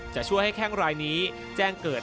จะช่วยให้แข้งรายนี้แจ้งเกิด